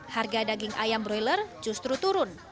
harga daging ayam broiler justru turun